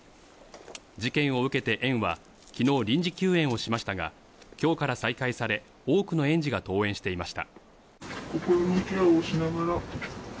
事件を受けて園は昨日、臨時休園をしましたが、今日から再開され、多くの園児が登園していました。